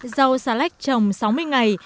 rau xà lách trồng sáu mươi ngày